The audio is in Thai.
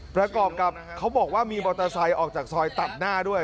ประกอบกับเขาบอกว่ามีมอเตอร์ไซค์ออกจากซอยตัดหน้าด้วย